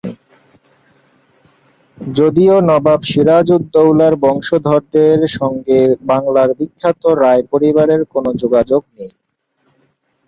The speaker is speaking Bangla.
যদিও নবাব সিরাজ উদ দৌলার বংশধরদের সঙ্গে বাংলার বিখ্যাত রায় পরিবারের কোনও যোগাযোগ নেই।